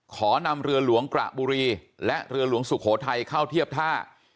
ขอนำเรือหลวงกระบุรีและเรือหลวงสุโขทัยเข้าเทียบท่า